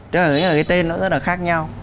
tên rất là khác nhau